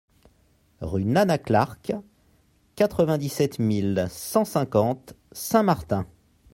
RUE NANA CLARK, quatre-vingt-dix-sept mille cent cinquante Saint Martin